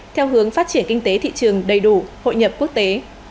theo hướng phát triển kinh tế thị trường đầy đủ hội nhập quốc tế